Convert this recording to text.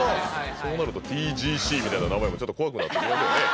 そうなるとＴＧＣみたいな名前もちょっと怖くなってきますよね